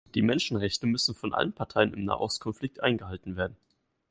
Die Menschenrechte müssen von allen Parteien im Nahost-Konflikt eingehalten werden.